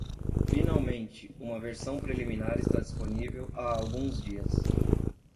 Finalmente, uma versão preliminar está disponível há alguns dias.